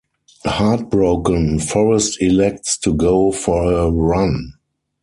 Heartbroken, Forrest elects to go for a run.